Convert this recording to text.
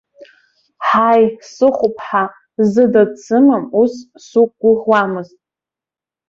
Ҳаи, сыхәԥҳа, зда дсымам, ус суқәгәыӷуамызт!